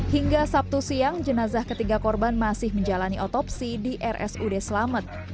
hingga sabtu siang jenazah ketiga korban masih menjalani otopsi di rsud selamet